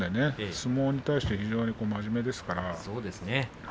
相撲に対して非常に真面目です。